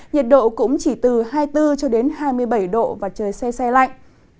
nhiệt độ cũng chỉ từ hai mươi bốn hai mươi bảy độ và trời xe xe lạnh